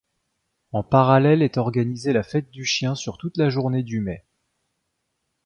En parallèle est organisée la fête du chien sur toute la journée du mai.